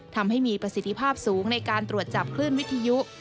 ทำให้มีประสิทธิภาพสูงในการตรวจจับคลื่นวิทยุ